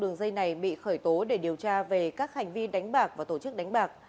đường dây này bị khởi tố để điều tra về các hành vi đánh bạc và tổ chức đánh bạc